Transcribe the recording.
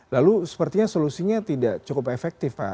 lalu sepertinya solusinya tidak cukup efektif pak